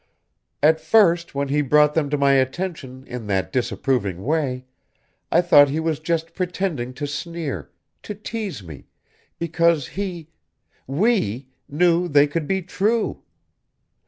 At first, when he brought them to my attention in that disapproving way, I thought he was just pretending to sneer, to tease me, because he we knew they could be true.